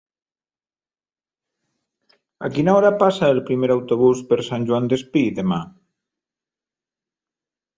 A quina hora passa el primer autobús per Sant Joan Despí demà?